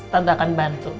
tante akan bantu